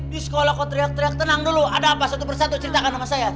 di sekolah kok teriak teriak tenang dulu ada apa satu persatu ceritakan sama saya